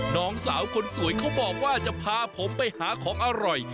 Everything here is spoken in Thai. น้องสาวคนสวยเขาบอกว่าจะพาผมไปหาของอร่อย